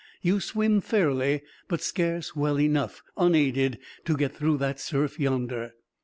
You swim fairly, but scarce well enough, unaided, to get through that surf yonder."